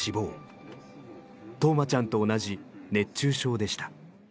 冬生ちゃんと同じ熱中症でした。